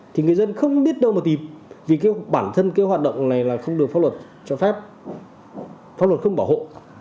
thì người dân không biết đâu mà tìm vì cái bản thân cái hoạt động này là không được pháp luật cho phép pháp luật không bảo hộ